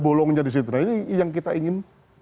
bolongnya disitu nah ini yang kita ingin